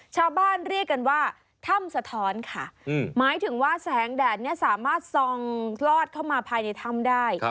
ชาวบ้านเรียกกันว่าถ้ำสะท้อนค่ะหมายถึงว่าแสงแดดนี้สามารถส่องลอดเข้ามาภายในถ้ำได้